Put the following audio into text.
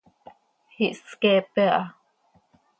Ihsqueepe aha.